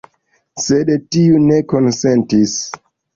Sed tiu ne konsentis.